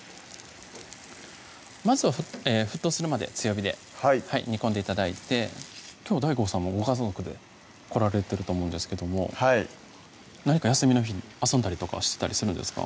まずは沸騰するまで強火で煮込んで頂いてきょうはＤＡＩＧＯさんもご家族で来られてると思うんですけども何か休みの日遊んだりとかはしたりするんですか？